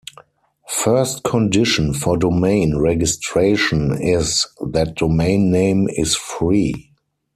First condition for domain registration is that domain name is free.